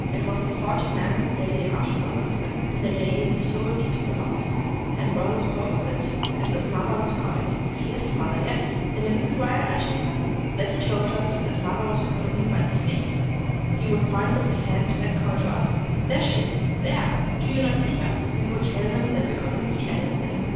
It was the forty ninth day after mother's death, — the day the Soul leaves the house ;— and brother spoke as if mother was calling him :—' Yes, mother, yes !— in a little while I shall come !' Then he told us that mother was pulling him by the sleeve. He 128 NINGYO NO HAKA would point with his hand and call to us :—' There she is !— there !— do you not see her ?' We would tell him that we could not see anything.